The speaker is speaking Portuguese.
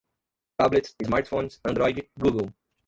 tablets, smartphones, android, google